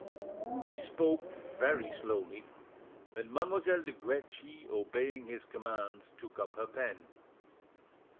He spoke very slowly, and Mademoiselle de Guerchi, obeying his commands, took up her pen.